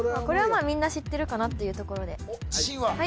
これはまあみんな知ってるかなっていうところで自信は？